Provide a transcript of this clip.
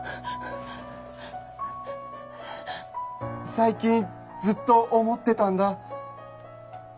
最近ずっと思ってたんだ。